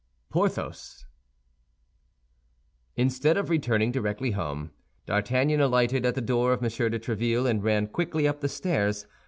PORTHOS Instead of returning directly home, D'Artagnan alighted at the door of M. de Tréville, and ran quickly up the stairs.